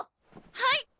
はい！